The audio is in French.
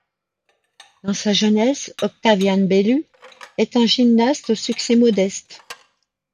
Dans sa jeunesse, Octavian Bellu est un gymnaste au succès modeste.